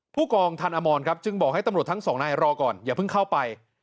ผู้กองทันอมรครับจึงบอกให้ตำรวจทั้งสองนายรอก่อนอย่าเพิ่งเข้าไป